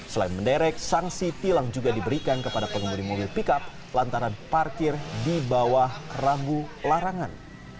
selain menderek sanksi tilang juga diberikan kepada pengemudi mobil pickup lantaran parkir di bawah ragu larangan